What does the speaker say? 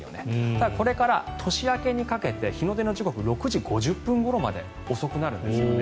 ただ、これから年明けにかけて日の出の時刻６時５０分ごろまで遅くなるんですよね。